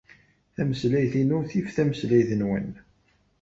Tameslayt-inu tif tameslayt-nwen.